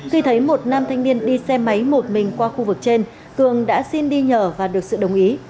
khi thấy một nam thanh niên đi xe máy một mình qua khu vực trên cường đã xin đi nhờ và được sự đồng ý